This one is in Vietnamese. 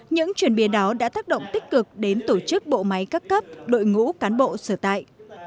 những chuyển biến đó đã tác động tích cực đến tổ chức bộ máy các cấp đội ngũ cán bộ sở tại